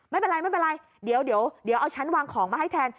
ไม่เป็นไรไม่เป็นไรเดี๋ยวเอาฉันวางของมาให้แทน